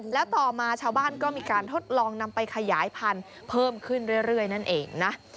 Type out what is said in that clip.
แล้วต่อมาชาวบ้านก็มีการทดลองนำไปขยายพันธุ์เพิ่มขึ้นเรื่อยนั่นเองนะ